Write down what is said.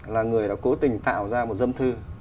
là người đã cố tình tạo ra một dâm thư